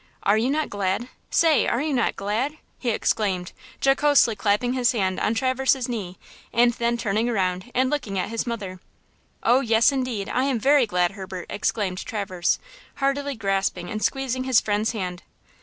Are you not glad?–say, are you not glad?" he exclaimed, jocosely clapping his hand upon Traverse's knee, and then turning around and looking at his mother. "Oh, yes, indeed, I am very glad, Herbert," exclaimed Traverse, heartily grasping and squeezing his friend's hand.